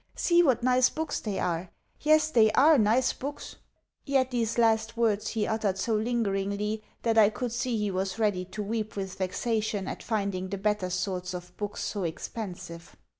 "See what nice books they are! Yes, they ARE nice books!" Yet these last words he uttered so lingeringly that I could see he was ready to weep with vexation at finding the better sorts of books so expensive.